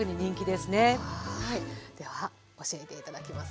では教えて頂きます。